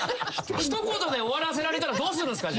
一言で終わらせられたらどうするんすか？